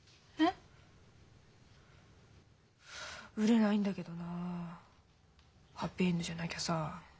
売れないんだけどなあハッピーエンドじゃなきゃさ。